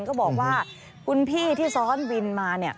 ก็บอกว่าคุณพี่ที่ซ้อนวินมาเนี่ย